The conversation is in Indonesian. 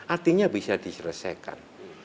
artinya bisa diselesaikan